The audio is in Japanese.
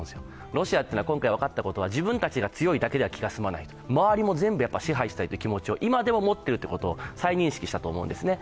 ロシアというのは今回分かったことは自分たちが強いだけでは気が済まない、周りも全部支配したいという気持ちを今でも持ってるということを再認識したと思うんですね。